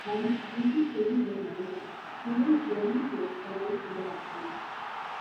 While his official status was minor, Hudal clearly played a role in the ratlines.